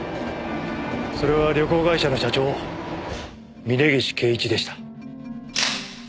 それは旅行会社の社長峰岸圭一でした。